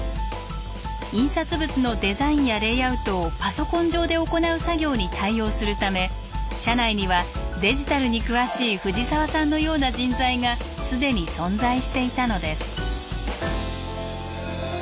印刷物のデザインやレイアウトをパソコン上で行う作業に対応するため社内にはデジタルに詳しい藤沢さんのような人材がすでに存在していたのです。